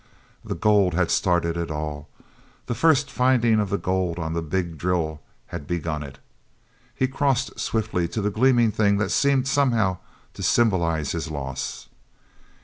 The gold had started it all! That first finding of the gold on the big drill had begun it.... He crossed swiftly to the gleaming thing that seemed somehow to symbolize his loss.